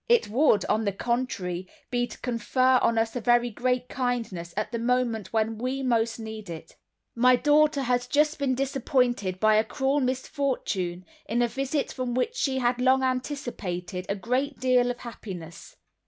"It would, on the contrary, be to confer on us a very great kindness at the moment when we most need it. My daughter has just been disappointed by a cruel misfortune, in a visit from which she had long anticipated a great deal of happiness.